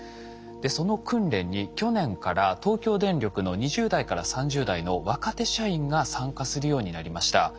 その訓練に去年から東京電力の２０代から３０代の若手社員が参加するようになりました。